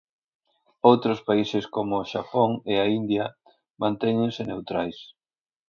Outros países como o Xapón e a India mantéñense neutrais.